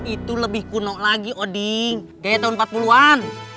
itu lebih kuno lagi oding dari tahun empat puluh an